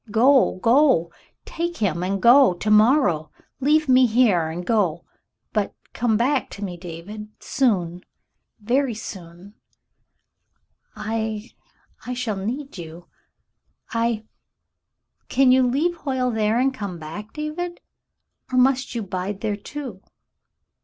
Go, go. Take him and go to morrow. Leave me here and go — but — come back to me, David, soon — very soon. I — I shall need you, I — Can you leave Hoyle there and come back, David ? Or must you bide there, too